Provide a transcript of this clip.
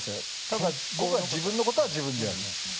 ただ僕は自分のことは自分でやる。